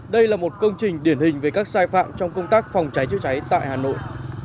đây là một công trình điển hình về các sai phạm trong công tác phòng cháy chữa cháy tại hà nội